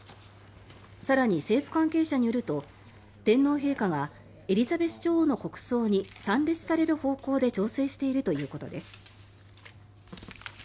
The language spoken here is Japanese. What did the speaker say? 更に政府関係者によると天皇陛下がエリザベス女王の国葬に参列される方向で調整しているということです。